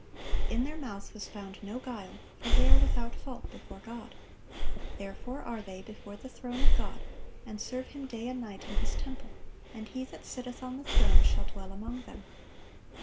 "In their mouth was found no guile: for they are without fault" before God. "Therefore are they before the throne of God, and serve Him day and night in His temple: and He that sitteth on the throne shall dwell among them."